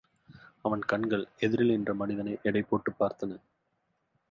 அவன் கண்கள் எதிரில் நின்ற மனிதனை எடை போட்டுப் பார்த்தன.